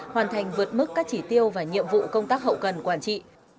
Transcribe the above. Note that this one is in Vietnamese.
hoàn thành vượt mức các chỉ tiêu và nhiệm vụ công tác hậu cần quản trị